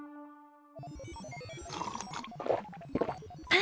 あ。